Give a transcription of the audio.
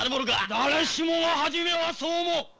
誰しもが初めはそう思う！